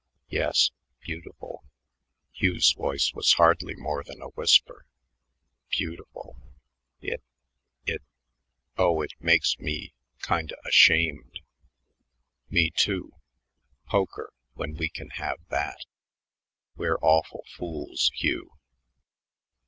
"Yes beautiful." Hugh's voice was hardly more than a whisper. "Beautiful.... It it oh, it makes me kinda ashamed." "Me, too. Poker when we can have that! We're awful fools, Hugh."